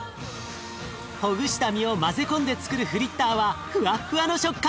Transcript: ほぐした身を混ぜ込んでつくるフリッターはふわふわの食感！